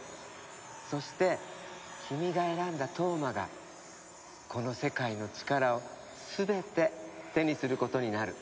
そして君が選んだ飛羽真がこの世界の力を全て手にすることになる。